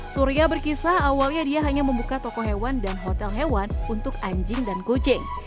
surya berkisah awalnya dia hanya membuka toko hewan dan hotel hewan untuk anjing dan kucing